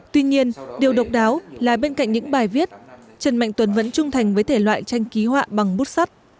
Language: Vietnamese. tuy nhiên điều độc đáo là bên cạnh những bài viết trần mạnh tuấn vẫn trung thành với thể loại tranh ký họa bằng bút sắt